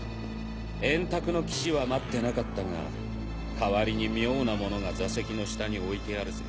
円卓の騎士は待ってなかったが代わりに妙なものが座席に下に置いてあるぜ。